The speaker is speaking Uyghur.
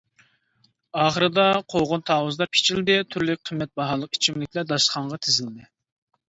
ئاخىرىدا قوغۇن-تاۋۇزلار پىچىلدى، تۈرلۈك قىممەت باھالىق ئىچىملىكلەر داستىخانغا تىزىلدى.